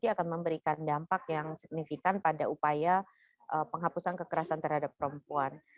akan memberikan dampak yang signifikan pada upaya penghapusan kekerasan terhadap perempuan